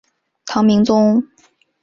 唐明宗